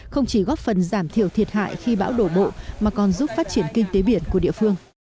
không chỉ góp phần giảm thiểu thiệt hại khi bão đổ bộ mà còn giúp phát triển kinh tế biển của địa phương